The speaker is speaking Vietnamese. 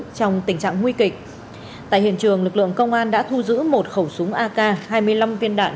trong tình trạng nguy kịch tại hiện trường lực lượng công an đã thu giữ một khẩu súng ak hai mươi năm viên đạn